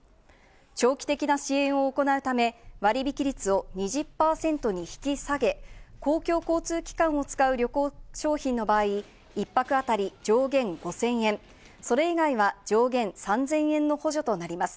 長期的な支援を行うため、割引率を２０％に引き下げ、公共交通機関を使う旅行商品の場合、１泊あたり上限５０００円、それ以外は上限３０００円の補助となります。